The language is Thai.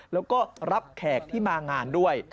แล้วก็รับแขกที่มางานด้วย